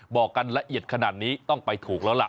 บอกกันละเอียดขนาดนี้ต้องไปถูกแล้วล่ะ